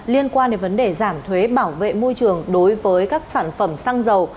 liên quan đến vấn đề giảm thuế bảo vệ môi trường đối với các sản phẩm xăng dầu